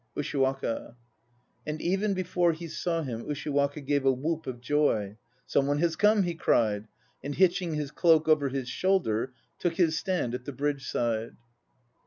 USHIWAKA. And even before he saw him Ushiwaka gave a whoop of joy. "Some one has come," he cried, and hitching his cloak over his shoulder Took his stand at the bridge side.